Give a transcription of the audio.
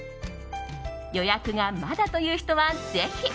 予約がまだという人はぜひ。